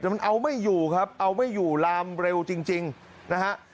แต่มันเอาไม่อยู่ครับเอาไม่อยู่ลามเร็วจริงนะฮะ